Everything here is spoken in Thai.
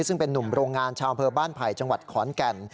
ซึ่งเป็นนุ่มโรงงานชาวอำเภอบ้านไผ่จังหวัดขอนแก่น